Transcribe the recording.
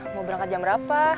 mau berangkat jam berapa